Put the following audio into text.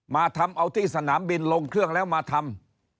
มาทำเอาที่สนามบินลงเครื่องแล้วมาทำ